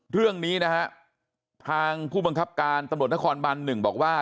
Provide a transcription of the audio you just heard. เรื่องนี้นะฮะทางผู้บังคับการตำรวจนครบัน๑บอกว่า